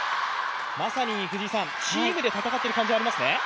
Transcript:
まさにチームで戦っている感じはありますね。